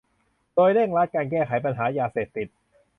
โดยเร่งรัดการแก้ไขปัญหายาเสพติด